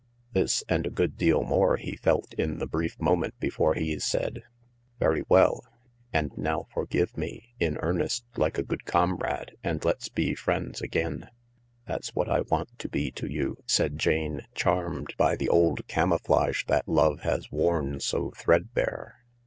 This, and a good deal more, he felt in the brief moment before he said : "Very well. And now forgive me — in earnest, like a good comrade, and let's be friends again," " That's what I want to be to you," said Jane, charmed by the old camouflage that love has worn so thread bare.